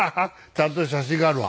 ちゃんと写真があるわ。